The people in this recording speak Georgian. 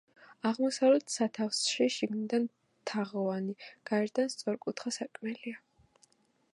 აღმოსავლეთ სათავსში შიგნიდან თაღოვანი, გარედან სწორკუთხა სარკმელია.